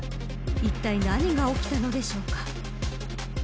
いったい何が起きたのでしょうか。